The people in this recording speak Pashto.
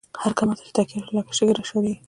هر کمر ته چی تکیه شوو، لکه شگه را شړیږی